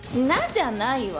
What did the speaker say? じゃないわ。